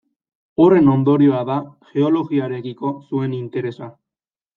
Horren ondorioa da geologiarekiko zuen interesa.